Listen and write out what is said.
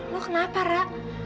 lo kenapa ra